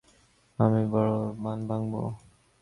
মধুসূদন ভাবলে, নিজের মান খর্ব করে আমি বড়োবউয়ের মান ভাঙব।